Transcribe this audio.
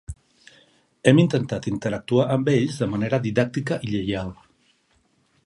Hem intentat interactuar amb ells de manera didàctica i lleial.